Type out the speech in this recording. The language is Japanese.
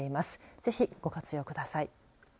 ぜひ、ご活用ください。